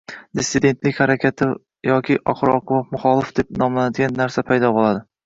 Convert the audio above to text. “dissident harakati” yoki oxir-oqibat “muxolifat” deb nomlanadigan narsa paydo bo‘ladi.